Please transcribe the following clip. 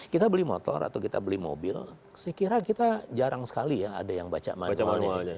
kita beli motor atau kita beli mobil saya kira kita jarang sekali ya ada yang baca manualnya